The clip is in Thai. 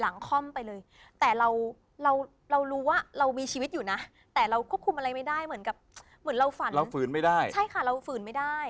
ทักเนี่ยจะเป็นการทักเพื่อเตือน